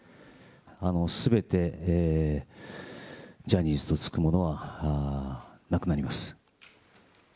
すべてジャニーズと付くものはなくなります。